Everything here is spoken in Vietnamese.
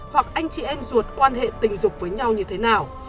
hoặc anh chị em ruột quan hệ tình dục với nhau như thế nào